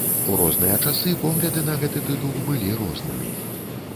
У розныя часы погляды на гэты тытул былі рознымі.